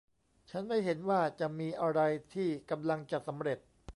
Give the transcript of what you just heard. ฉันไม่เห็นว่าจะมีอะไรที่กำลังจะสำเร็จ